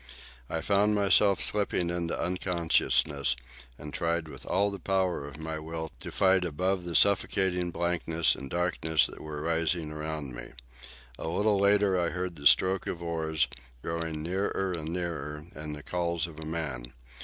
I felt myself slipping into unconsciousness, and tried with all the power of my will to fight above the suffocating blankness and darkness that was rising around me. A little later I heard the stroke of oars, growing nearer and nearer, and the calls of a man.